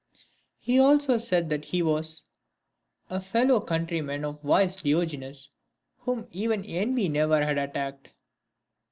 He also said that he was :— A fellow countryman of wise Diogenes, Whom even envy never had attacked.